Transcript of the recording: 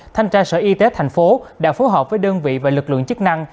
thanh tra sở y tế tp hcm đã phối hợp với đơn vị và lực lượng chức năng